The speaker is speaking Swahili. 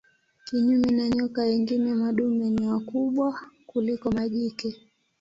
Kinyume na nyoka wengine madume ni wakubwa kuliko majike.